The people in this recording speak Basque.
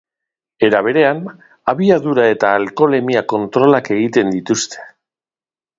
Era berean, abiadura eta alkoholemia kontrolak egingo dituzte.